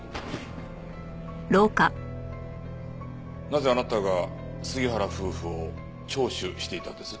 なぜあなたが杉原夫婦を聴取していたんです？